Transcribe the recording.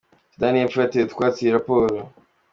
Sudani y’Epfo yateye utwatsi iyi raporo